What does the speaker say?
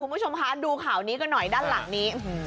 คุณผู้ชมคะดูข่าวนี้กันหน่อยด้านหลังนี้